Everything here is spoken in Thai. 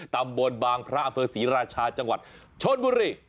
ตำบลบางพระอำเภอศรีราชาจังหวัดชนบุรี